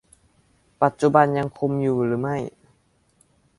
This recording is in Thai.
ปัจจุบันยังคุมอยู่หรือไม่